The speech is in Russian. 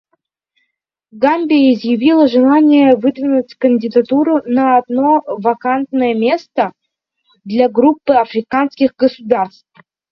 Гамбия изъявила желание выдвинуть кандидатуру на одно вакантное место для Группы африканских государств.